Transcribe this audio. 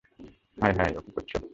হায় হায়, ও কী করেছে?